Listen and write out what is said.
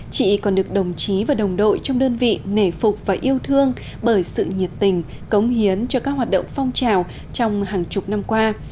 chị còn được đồng chí và đồng đội trong đơn vị nể phục và yêu thương bởi sự nhiệt tình cống hiến cho các hoạt động phong trào trong hàng chục năm qua